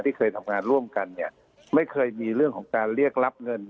เคยทำงานร่วมกันเนี่ยไม่เคยมีเรื่องของการเรียกรับเงิน